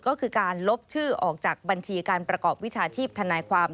ก็คือการลบชื่อออกจากบัญชีการประกอบวิชาชีพทนายความ